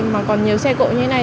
mà còn nhiều xe cộ như thế này